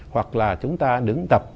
hoặc là chúng ta đứng tập